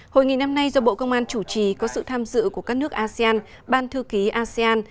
hội nghị năm nay do bộ công an chủ trì có sự tham dự của các nước asean ban thư ký asean